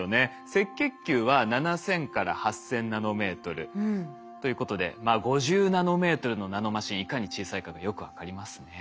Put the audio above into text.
赤血球は７，０００８，０００ナノメートルということで５０ナノメートルのナノマシンいかに小さいかがよく分かりますね。